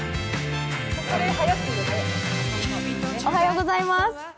おはようございます。